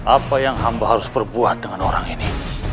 apa yang hamba harus berbuat dengan orang ini